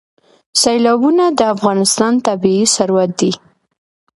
سیلابونه د افغانستان طبعي ثروت دی.